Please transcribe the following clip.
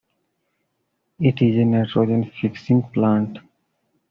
It is a nitrogen fixing plant.